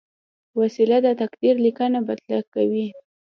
وسله د تقدیر لیکنه بدله کوي